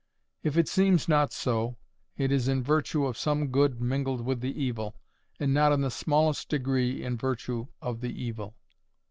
If it seems not so, it is in virtue of some good mingled with the evil, and not in the smallest degree in virtue of the evil.